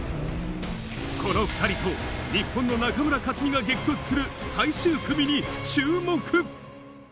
この２人と日本の中村克が激突する最終組に注目。